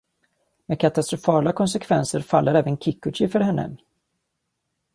Med katastrofala konsekvenser faller även Kikuchi för henne.